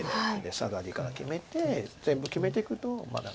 サガリから決めて全部決めていくと何か。